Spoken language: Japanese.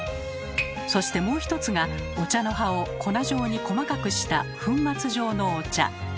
そしてもう一つがお茶の葉を粉状に細かくした粉末状のお茶。